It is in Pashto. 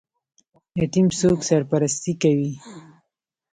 یتیم څوک سرپرستي کوي؟